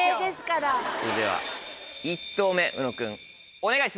それでは１投目宇野君お願いします。